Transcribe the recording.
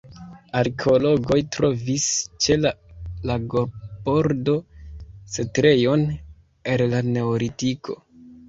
Arkeologoj trovis ĉe la lagobordo setlejon el la neolitiko.